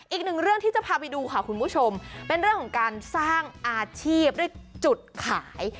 อีกหนึ่งเรื่องที่จะพาไปดูค่ะคุณผู้ชมเป็นเรื่องของการสร้างอาชีพด้วยจุดขาย